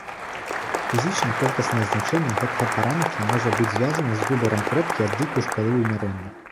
Фізічна колькаснае значэнне гэтага параметра можа быць звязана з выбарам кропкі адліку шкалы вымярэння.